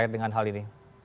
dan hal ini